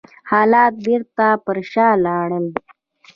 حالات بېرته پر شا لاړل.